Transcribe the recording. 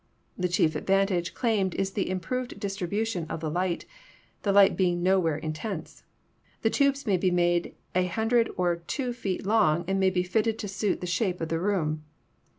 The chief advantage claimed is the improved distribution of the light, the light being nowhere intense. The tubes may be made an hundred or two feet long and may be fitted to suit the shape of the room.